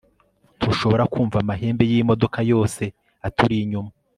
ntushobora kumva amahembe yimodoka yose aturinyuma